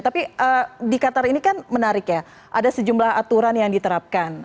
tapi di qatar ini kan menarik ya ada sejumlah aturan yang diterapkan